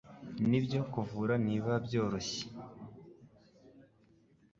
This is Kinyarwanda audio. Ni byo kuvura ntibiba byoroshye